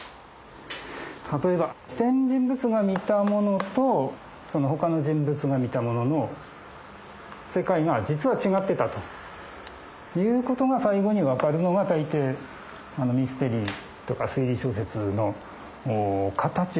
例えば視点人物が見たものとそのほかの人物が見たものの世界が実は違ってたということが最後に分かるのが大抵ミステリーとか推理小説の形なんですよ。